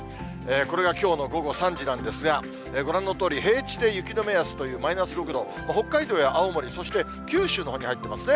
これがきょうの午後３時なんですが、ご覧のとおり、平地で雪の目安というマイナス６度、北海道や青森、そして九州のほうに入っていますね。